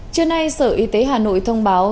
chưa nay sở y tế hà nội thông báo